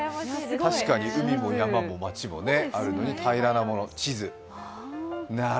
確かに海も山も街もあるのに平らなもの。